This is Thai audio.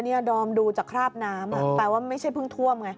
นี่ดอมดูจากคราบน้ำแปลว่าไม่ใช่เพิ่งท่วมไง